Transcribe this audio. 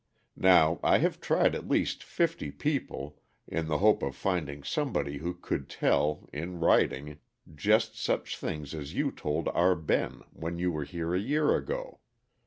Now I have tried at least fifty people, in the hope of finding somebody who could tell, in writing, just such things as you told our Ben when you were here a year ago.